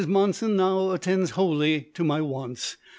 Monson now attends wholly to my wants.